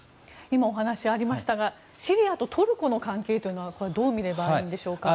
今、お話ありましたがシリアとトルコの関係というのはどう見ればいいんでしょうか？